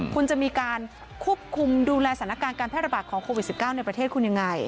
คุณจะมีการควบคุมดูแลสถานการณ์การแพร่ระบาดของโควิด๑๙ในประเทศคุณยังไง